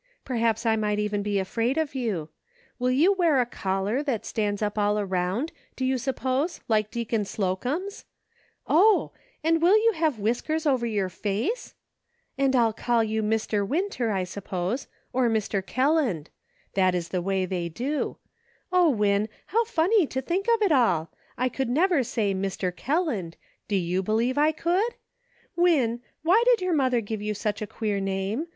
Perhaps I might even be afraid of you. Will you wear a collar that stands up all around, do you suppose, like Deacon Slo cumb's ? Oh ! and will you have whiskers over your face ? And I'll call you Mr. Winter, I sup pose ; or Mr. Kelland. That is the way they do. O, Win, how very funny to think of it all! I could never say ' Mr. Kelland ;' do you believe I could ? Win, why did your mother give you such a queer name